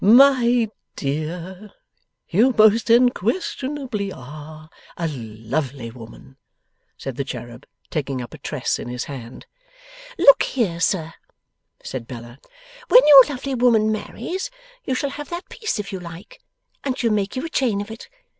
'My dear, you most unquestionably ARE a lovely woman,' said the cherub, taking up a tress in his hand. 'Look here, sir,' said Bella; 'when your lovely woman marries, you shall have that piece if you like, and she'll make you a chain of it.